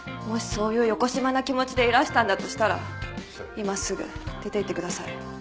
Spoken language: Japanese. もしそういうよこしまな気持ちでいらしたんだとしたら今すぐ出ていってください。